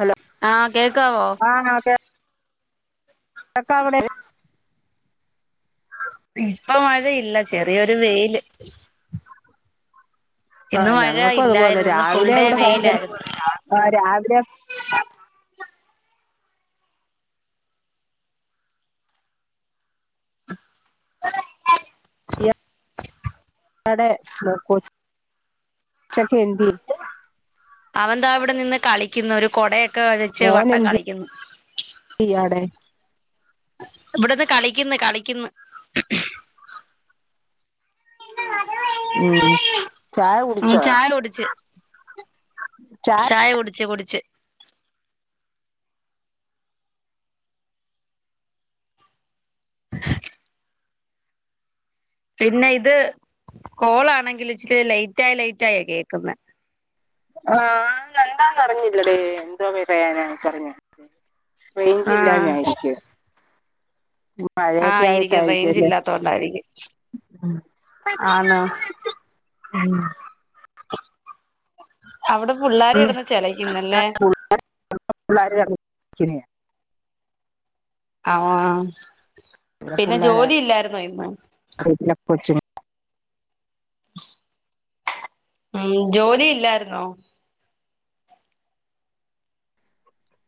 Hello ആ കേക്കാവോ [unintelligible] ക്കവിടെ ഇപ്പൊ മഴയില്ല ചെറിയൊരു വെയില് ആ ഇന്ന് മഴ ഞങ്ങൾക്കും അതുപോലെ ഇല്ലായിരുന്നു ഇന്ന് ഫുൾ രാവിലെ ഡേ ഇവിടെ ഭയങ്കര വെയിലായിരുന്നു ആ രാവിലെ [unintelligible] എടെ [unintelligible] ഉചക്കഎന്തെ അവൻന്ത അവിടെ നിന്ന് കളിക്കുന്ന ഒരു കൊടയൊക്കെ വെച്ച് വട്ടം മോനെന്തേ കളിക്കുന്നു എന്ത് ചെയ്യാ അവിടെ ഇവിടന്ന് കളിക്കന്ന് കളിക്കന്ന് [unintelligible] മ് ചായ ഉം കുടിച്ചോ ചായ കുടിച്ച് ചായ കുടി ടിച്ച് കുടിച്ച് [unintelligible] പിന്നെ ഇത് കോളാണെങ്കിൽ ഇച്ചിരി ലൈറ്റായി ലൈറ്റായെ കേക്കുന്നെ ആ ഇന്നെന്താന്ന് അറിഞ്ഞില്ലെടീ എന്തോ പറയാന റെയിഞ്ച് ആഹ് ഇല്ലാഞായിരിക്കും ആ ഇരിക്കും റെയിഞ്ച് അല്ലേ ഇല്ലാത്തോണ്ടായിരിക്കും ആന്ന് മ് അവിടെ പിള്ളേര് കിടന്ന് പിന്നെ ചെലക്കുന്നല്ലേ ക്ണ് ആ ഇവിടെ പിന്നെ ജോലി ഇല്ലായിരുന്നോ ഇന്ന് കൊച്ചോ മ് ജോലിയില്ലായിരുന്നോ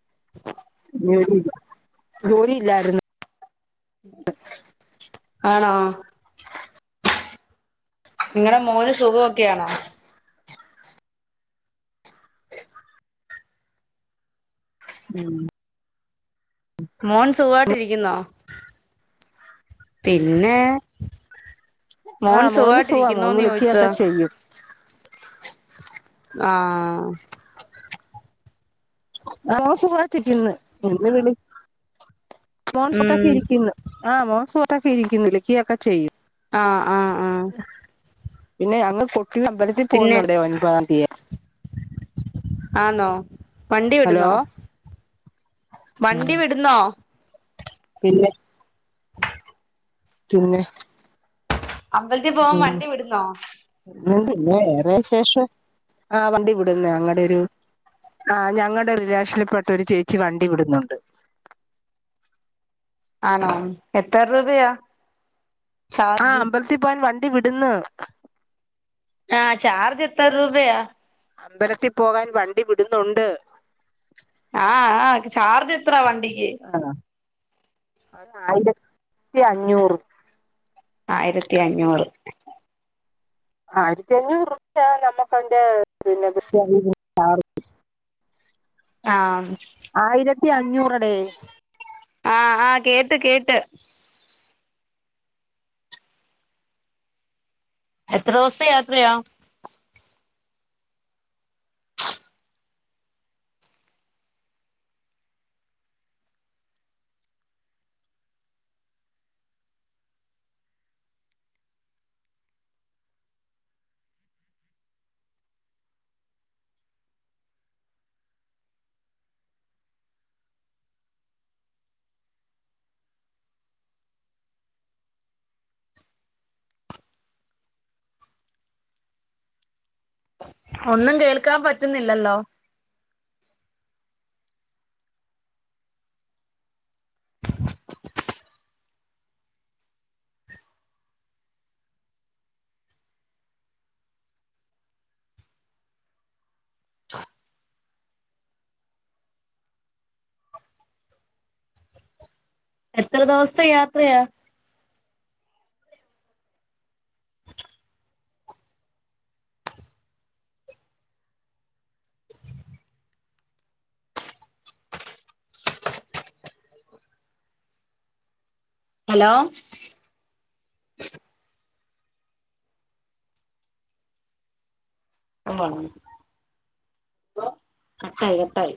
[unintelligible] ജോലിയില്ല ജോലിയില്ലായിരുന്നു ആണോ നിങ്ങളടെ മോന് സുഖമൊക്കെയാണോ മ് മോൻ സുഖായിട്ടിരിക്കുന്നോ പിന്നെ ആ മോൻ മോന് സുഖാബം മോന് സുഖമായിട്ടിരിക്കുന്നോന്ന് ചോദിച്ചതാ വിളിക്കൊക്കെ ചെയ്യും [unintelligible] ആ ആ മോന് സുഖായിട്ടിരിക്കുന്ന് ഇന്ന് വിളി മോന് ഉം സുഖായിട്ടിരിക്കുന്ന് ആ മോന് ട്ടൊക്കെ ഇരിക്കുന്നു വിളിക്ക ഒക്കെ ചെയ്യും ആ ആ ആ പിന്നെ അങ്ങ് ഫോ ഇന്ന് അമ്പലത്തിൽ പോകുന്നുണ്ടേ ഒൻപതാം തീയ ആന്നോ വണ്ടി ഹലോ വിടുന്നോ വണ്ടി വിടുന്നോ പിന്നെ പിന്നെ [inaudible] അമ്പലത്തിൽ പോവാൻ ഉം വണ്ടി വിടുന്നോ? പിന്നെ വേറെ ശേഷം ആ വണ്ടി വിടുന്നു ഞങ്ങടെ ഒരു ആ ഞങ്ങളുടെ റിലേഷനിൽ പെട്ട ഒരു ചേച്ചി വണ്ടി വിടുന്നുണ്ട്. ആണോ? എത്ര രൂപയാ? ആ ചാർജ് അമ്പലത്തിൽ പോകാൻ വൺ ഇവിടുന്ന് ആഹ് ചാർജജ് എത്ര രൂപയാ? അമ്പലത്തിൽ പോകാൻ വണ്ടി വിടുന്നുണ്ട്. ആഹ് ആഹ് ചാർജ്ജ് എത്രാ വൺ ആണോ? അത് ആയിരത്തിഅഞ്ഞൂറ് ആയിരത്തിഅഞ്ഞൂറ് ആയിരത്തിഅഞ്ഞൂറ് രൂപയാ നമുക്ക് അതിൻ്റെ പിന്നെ ബസിൻ ചാർജ്ജ് ആഹ് ആയിരത്തി [unintelligible] ആഹ് ആഹ് കേട്ട് കേട്ട് എത്ര ദിവസത്തെ യാത്രയാ? ഒന്നും കേൾക്കാൻ പറ്റുന്നില്ലല്ലോ. എത്ര ദിവസത്തെ യാത്രയാ? ഹലോ ആ കട്ടായി കട്ടായി